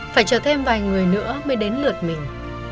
phải chờ thêm vài người nữa mới đến lượt mình